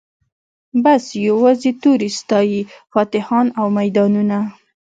بس یوازي توري ستايی فاتحان او میدانونه